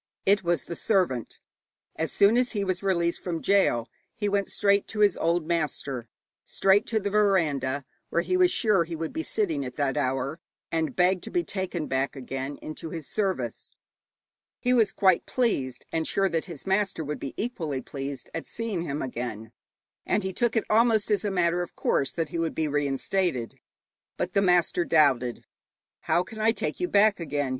It was the servant. As soon as he was released from gaol, he went straight to his old master, straight to the veranda where he was sure he would be sitting at that hour, and begged to be taken back again into his service. He was quite pleased, and sure that his master would be equally pleased, at seeing him again, and he took it almost as a matter of course that he would be reinstated. But the master doubted. 'How can I take you back again?'